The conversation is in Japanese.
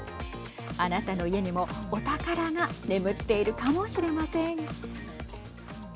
あなたの家にもお宝が眠っているかもしれません。